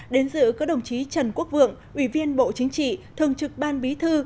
đến giữ các đồng chí trần quốc vượng ủy viên bộ chính trị thường trực ban bí thư